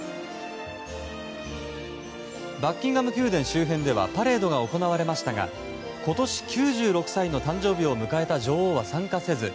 バッキンガム宮殿周辺ではパレードが行われましたが今年９６歳の誕生日を迎えた女王は参加せず。